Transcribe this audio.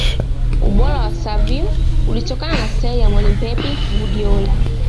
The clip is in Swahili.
ubora wa xaviu ulitokana na staili ya mwalimu Pep Guardiola